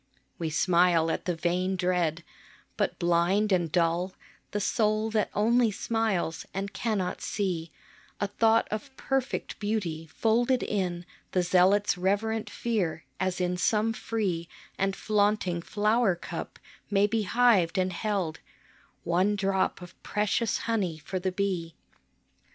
We smile at the vain dread ; but blind and dull The soul that only smiles, and cannot see A thought of perfect beauty folded in The zealot's reverent fear, as in some free And flaunting flower cup may be hived and held One drop of precious honey for the bee.